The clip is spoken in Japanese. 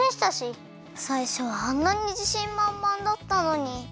さいしょはあんなにじしんまんまんだったのに。